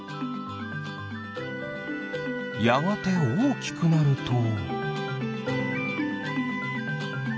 やがておおきくなると。